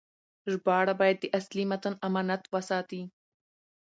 ژباړه باید د اصلي متن امانت وساتي.